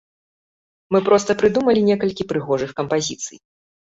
Мы проста прыдумалі некалькі прыгожых кампазіцый.